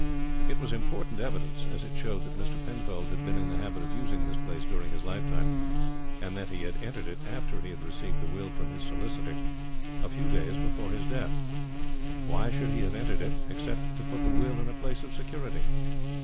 It was important evidence, as it showed that Mr. Penfold had been in the habit of using this place during his lifetime, and that he had entered it after he had received the will from his solicitor a few days before his death. Why should he have entered it except to put the will in a place of security?